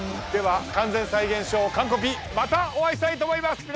では『完全再現ＳＨＯＷカン☆コピ』またお会いしたいと思います。